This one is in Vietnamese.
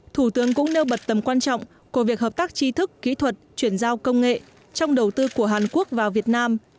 thủ tướng cũng nêu bật tầm quan trọng của việc hợp tác chi thức kỹ thuật chuyển giao công nghệ trong đầu tư của hàn quốc vào việt nam